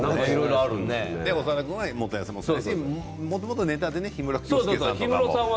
長田君は元彌さんもそうだしもともとネタで氷室京介さんも。